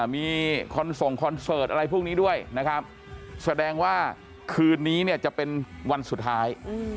มีคอนส่งคอนเสิร์ตอะไรพวกนี้ด้วยนะครับแสดงว่าคืนนี้เนี่ยจะเป็นวันสุดท้าย